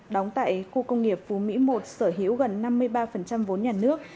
đóng tại khu công nghiệp phú mỹ một sở hữu gần năm mươi ba vốn nhà nước